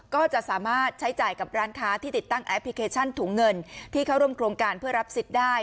ก็จะสามารถใช้จ่ายกับร้านค้าที่ติดตั้งแอปพลิเคชันถุงเงินที่เข้าร่วมโครงการเพื่อรับสิทธิ์ได้